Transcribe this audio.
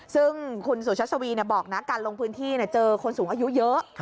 ซึ่งคุณสุชัชวีบอกนะการลงพื้นที่เจอคนสูงอายุเยอะ